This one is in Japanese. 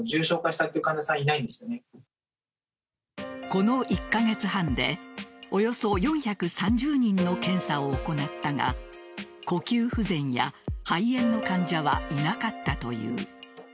この１カ月半でおよそ４３０人の検査を行ったが呼吸不全や肺炎の患者はいなかったという。